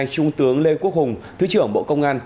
trung tướng lê quốc hùng thứ trưởng bộ công an